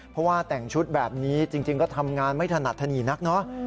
เพราะว่าแต่งชุดแบบนี้จริงก็ทำงานไม่ถนัดถนีนักเนาะ